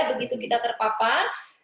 begitu kita terpapar